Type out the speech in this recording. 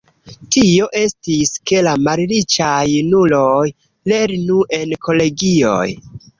Tio estis, ke la malriĉaj junuloj lernu en kolegioj.